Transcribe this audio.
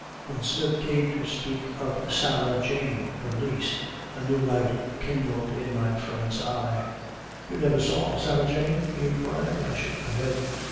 When Smith came to speak of Sarah Jane, her niece, a new light kindled in my friend's eye. "You never saw Sarah Jane?" he inquired. I shook my head.